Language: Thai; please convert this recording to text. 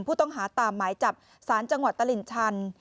ผู้ต้องหาตามหมายจับสารจังหวัดตลิ่งชัน